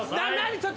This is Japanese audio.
ちょっと。